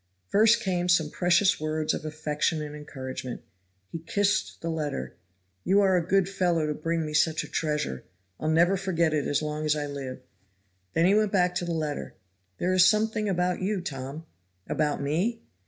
First came some precious words of affection and encouragement. He kissed the letter. "You are a good fellow to bring me such a treasure; and I'll never forget it as long as I live!" Then he went back to the letter. "There is something about you, Tom!" "About me?"